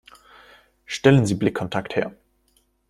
Stellen Sie Blickkontakt her.